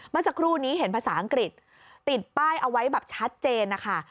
เมื่อสักครู่นี้เห็นภาษาอังกฤษติดป้ายเอาไว้แบบชัดเจนนะคะ